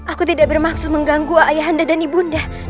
aku tidak bermaksud mengganggu ayah anda dan ibu unda